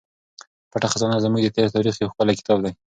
پټه خزانه زموږ د تېر تاریخ یو ښکلی کتاب دی.